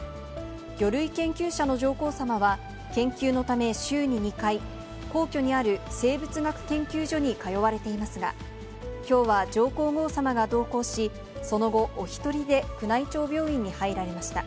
魚類研究者の上皇さまは、研究のため週に２回、皇居にある生物学研究所に通われていますが、きょうは上皇后さまが同行し、その後、お１人で宮内庁病院に入られました。